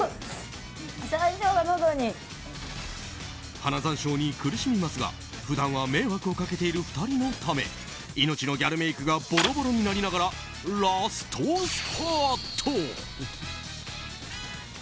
花山椒に苦しみますが普段は迷惑をかけている２人のため命のギャルメイクがボロボロになりながらラストスパート。